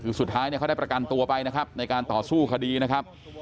คือสุดท้ายเนี่ยเขาได้ประกันตัวไปนะครับในการต่อสู้คดีนะครับ